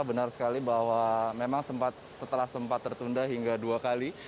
benar sekali bahwa memang setelah sempat tertunda hingga dua kali